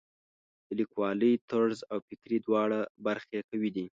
د لیکوالۍ طرز او فکري دواړه برخې یې قوي دي.